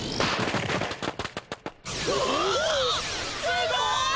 すごい！